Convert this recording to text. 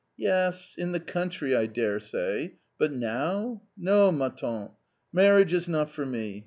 " Yes, in the country, I daresay ; but now .... No, ma tante, marriage is not for me.